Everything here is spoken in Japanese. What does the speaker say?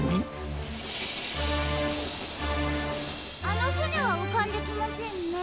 あのふねはうかんできませんね。